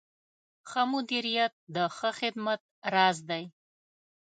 ښه مدیریت د ښه خدمت راز دی.